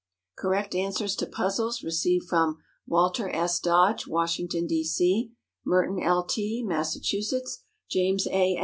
Correct answers to puzzles received from Walter S. Dodge, Washington, D. C.; Merton L. T., Massachusetts; James A.